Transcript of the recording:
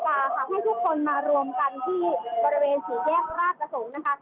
อยากให้ทุกคนมารวมกันที่บริเวณสี่แยกราชประสงค์นะคะ